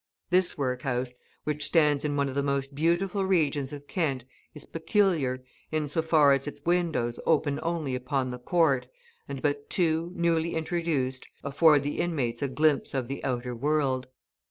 This workhouse, which stands in one of the most beautiful regions of Kent, is peculiar, in so far as its windows open only upon the court, and but two, newly introduced, afford the inmates a glimpse of the outer world.